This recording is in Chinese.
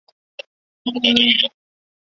作为中国史诗电影赤壁上部的全世界主题曲。